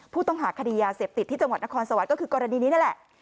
ผู้ต้องหาคดียาเสพติดที่จังหวัดนครสวรรค์ก็คือกรณีนี้นั่นแหละ